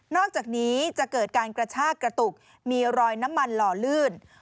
อกจากนี้จะเกิดการกระชากกระตุกมีรอยน้ำมันหล่อลื่น